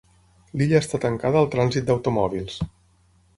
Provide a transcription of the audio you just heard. L'illa està tancada al trànsit d'automòbils.